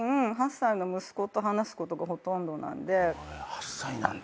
８歳なんだ。